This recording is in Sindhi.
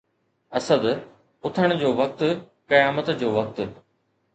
اسد! اٿڻ جو وقت ، قيامت جو وقت